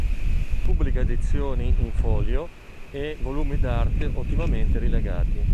Pubblica edizioni "in folio" e volumi d'arte ottimamente rilegati.